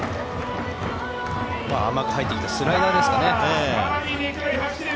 甘く入ってきたスライダーですかね。